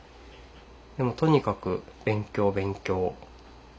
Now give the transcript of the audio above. とにかく勉強勉強。